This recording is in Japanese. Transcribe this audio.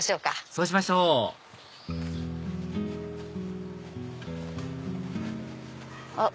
そうしましょうあっ